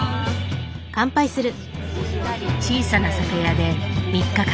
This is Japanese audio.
小さな酒屋で３日間。